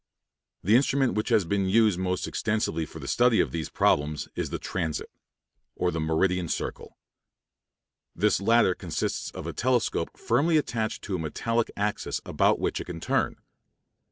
The instrument which has been used most extensively for the study of these problems is the transit (p. 118) or the "meridian circle." This latter consists of a telescope firmly attached to a metallic axis about which it can turn.